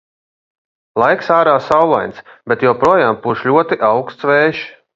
Laiks ārā saulains, bet joprojām pūš ļoti auksts vējš.